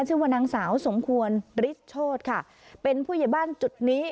ชื่อว่านางสาวสมควรฤทธโชธค่ะเป็นผู้ใหญ่บ้านจุดนี้